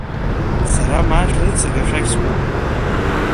Сара ма ашәарыцага ашәақь скуп.